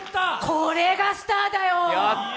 これがスターだよ。